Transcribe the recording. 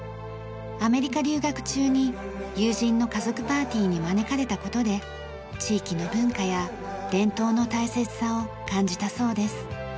アメリカ留学中に友人の家族パーティーに招かれた事で地域の文化や伝統の大切さを感じたそうです。